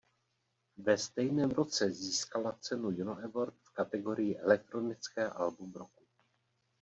Ve stejném roce získala cenu Juno Award v kategorii "Elektronické album roku".